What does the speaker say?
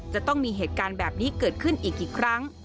จะต้องมีเหตุการณ์แบบนี้เกิดขึ้นอีกกี่ครั้ง